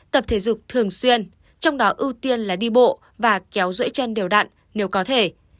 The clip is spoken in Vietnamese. tập thể dục thường xuyên trong đó ưu tiên là đi bộ và kéo rễ chân đều đặn nếu có thể